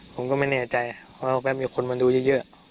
ผมก็ไม่แน่ใจว่าแป๊บมีคนมาดูเยอะ